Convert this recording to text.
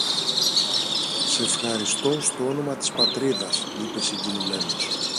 Σ' ευχαριστώ στ' όνομα της Πατρίδας, είπε συγκινημένος.